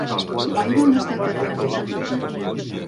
Byron ha estat ateu des de petit.